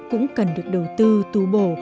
cũng cần được đầu tư tu bổ